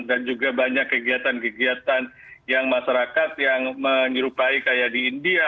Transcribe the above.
juga banyak kegiatan kegiatan yang masyarakat yang menyerupai kayak di india